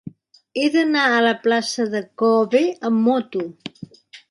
He d'anar a la plaça de K-obe amb moto.